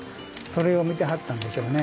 それを見てはったんでしょうね。